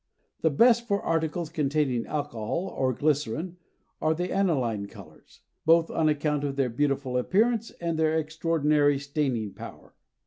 The best for articles containing alcohol or glycerin are the aniline colors, both on account of their beautiful appearance and their extraordinary staining power.